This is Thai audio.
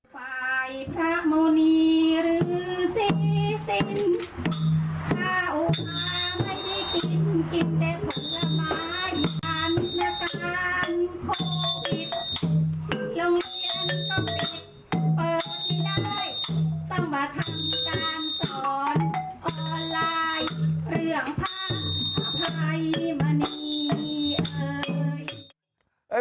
ละครพระอภัยมณีเอ่ย